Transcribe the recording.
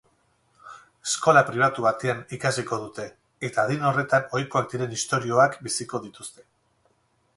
Eskola pribatu batean ikasiko dute eta adin horretan ohikoak diren istorioak biziko dituzte.